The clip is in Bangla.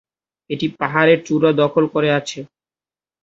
এটি পাহাড়ের চূড়া দখল করে আছে।